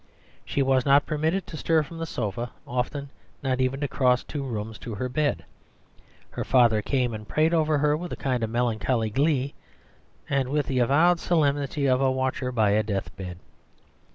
She was not permitted to stir from the sofa, often not even to cross two rooms to her bed. Her father came and prayed over her with a kind of melancholy glee, and with the avowed solemnity of a watcher by a deathbed.